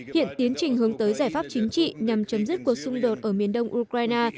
hiện tiến trình hướng tới giải pháp chính trị nhằm chấm dứt cuộc xung đột ở miền đông ukraine